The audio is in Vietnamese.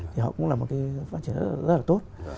thì họ cũng là một cái phát triển rất là tốt